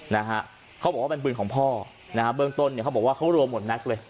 นะฮะเขาบอกว่าเป็นปืนของพ่อนะฮะเบื้องต้นเนี่ยเขาบอกว่าเขารวมหมดแม็กซ์เลย